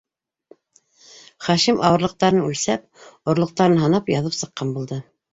Хашим ауырлыҡтарын үлсәп, орлоҡтарын һанап яҙып сыҡҡан булды.